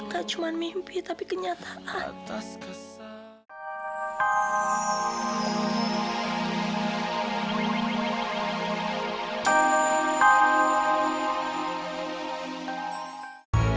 tak cuma mimpi tapi kenyataan